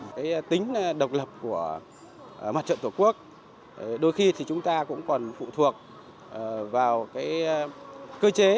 cái tính độc lập của mặt trận tổ quốc đôi khi thì chúng ta cũng còn phụ thuộc vào cái cơ chế